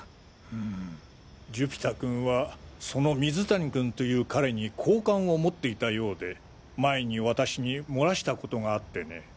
んん寿飛太君はその水谷君という彼に好感を持っていたようで前に私に洩らしたことがあってね。